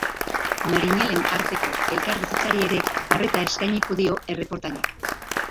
Marinelen arteko elkarbizitzari ere arreta eskainiko dio erreportajeak.